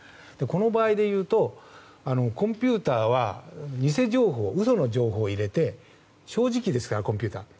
この場合でいうとコンピューターは偽情報、嘘の情報を入れて正直ですからコンピューターは。